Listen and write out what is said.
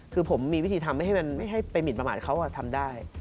คือผมมีวิธีทำไม่ให้ไปมิดประมาณเขาทำได้